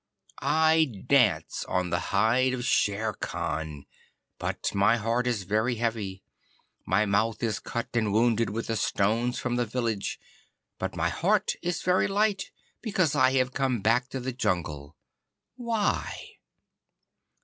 I dance on the hide of Shere Khan, but my heart is very heavy. My mouth is cut and wounded with the stones from the village, but my heart is very light, because I have come back to the jungle. Why?